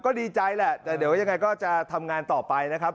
ก็ดีใจแหละแต่เดี๋ยวยังไงก็จะทำงานต่อไปนะครับ